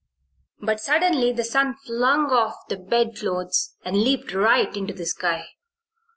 But suddenly the sun flung off the bedclothes and leaped right into the sky.